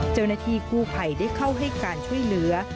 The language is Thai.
เจ้าหน้าที่กู้ภัยได้เข้าให้การช่วยเหลือ